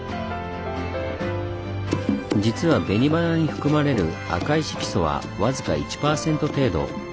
実は紅花に含まれる赤い色素は僅か１パーセント程度。